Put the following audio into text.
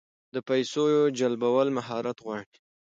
د پیسو جلبول مهارت غواړي.